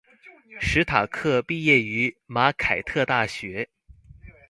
史塔克毕业于马凯特大学。